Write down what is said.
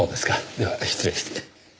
では失礼して。